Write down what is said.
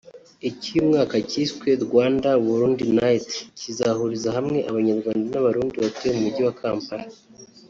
Icy’uyu mwaka cyiswe “Rwanda/Burundi Night” kizahuriza hamwe Abanyarwanda n’Abarundi batuye mu Mujyi wa Kampala